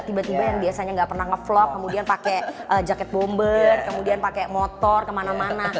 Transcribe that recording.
tiba tiba yang biasanya nggak pernah ngevlog kemudian pakai jaket bomber kemudian pakai motor kemana mana